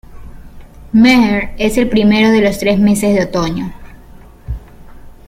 Mehr es el primero de los tres meses de otoño.